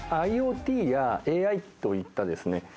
ＩｏＴやＡＩといったですね